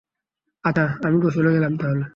আচ্ছা, আমি গোসলে গেলাম তাহলে।